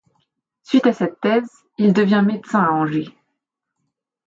Suite à cette thèse, il devient médecin à Angers.